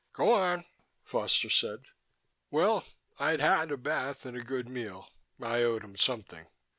"Go on," Foster said. Well, I'd had a bath and a good meal. I owed him something.